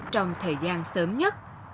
trong thời gian sớm nhất